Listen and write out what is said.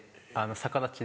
逆立ちで？